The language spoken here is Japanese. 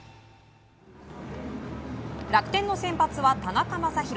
楽天の先発は田中将大。